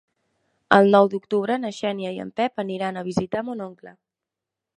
El nou d'octubre na Xènia i en Pep aniran a visitar mon oncle.